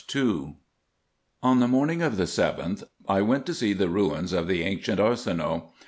On the morning of the 7th I went to see the ruins of the ancient Arsinoe.